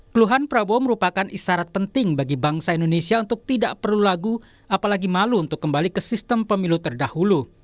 keluhan prabowo merupakan isyarat penting bagi bangsa indonesia untuk tidak perlu lagu apalagi malu untuk kembali ke sistem pemilu terdahulu